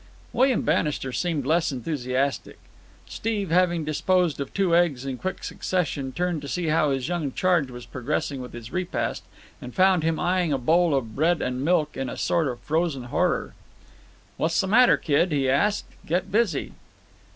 William Bannister seemed less enthusiastic. Steve, having disposed of two eggs in quick succession, turned to see how his young charge was progressing with his repast, and found him eyeing a bowl of bread and milk in a sort of frozen horror. "What's the matter, kid?" he asked. "Get busy."